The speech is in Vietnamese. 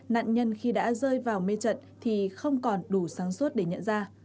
nạn nhân khi đã rơi vào mê trận thì không còn đủ sáng suốt để nhận ra